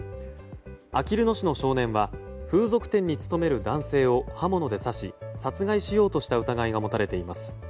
あきる野市の少年は風俗店に勤める男性を刃物で刺し殺害しようとした疑いが持たれています。